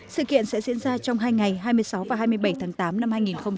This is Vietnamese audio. sự kiện sẽ diễn ra trong hai ngày hai mươi sáu và hai mươi bảy tháng tám năm hai nghìn hai mươi